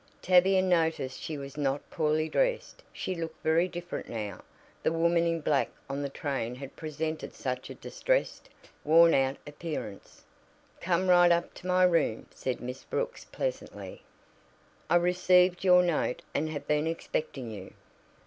Tavia noticed she was not poorly dressed she looked very different now; the woman in black on the train had presented such a distressed, worn out appearance. "Come right up to my room," said Miss Brooks pleasantly. "I received your note, and have been expecting you."